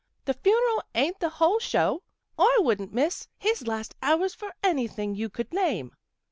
" The fun'rel ain't the whole show. I wouldn't miss his last hours for anything you could name.